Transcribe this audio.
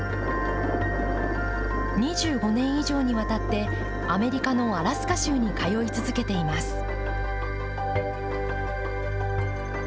２５年以上にわたって、アメリカのアラスカ州に通い続けています。